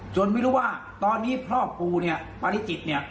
จนไม่รู้ว่าตอนนี้พ่อปู่ปราณาจิ